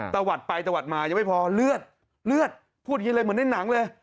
ตะวัดไปตะวัดมายังไม่พอเลือดเลือดพูดอย่างนี้เลยเหมือนในหนังเลย